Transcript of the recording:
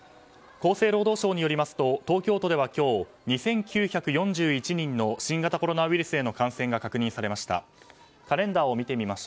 厚生労働省によりますと東京都では今日、２９４１人の新型コロナウイルスへの感染が確認されました。